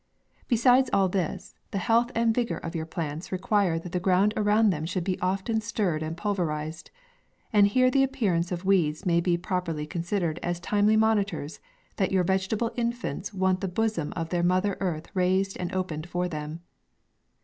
Besides all this, the health and vigor of your plants require that the ground around them should be often stirred and pulverized. And here the ap pearance of weeds may be properly consid ered as timely monitors, that your vegeta ble infants want the bosom of their mother earth raised and opened for them.